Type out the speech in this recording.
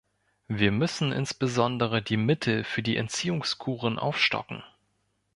Wir müssen insbesondere die Mittel für die Entziehungskuren aufstocken.